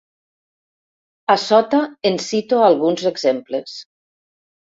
A sota, en cito alguns exemples.